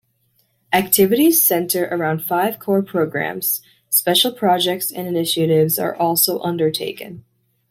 Activities centre around five core programmes; special projects and initiatives are also undertaken.